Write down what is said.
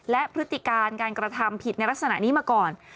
และพฤติการการกระทำผิดในลักษณะนี้มาก่อน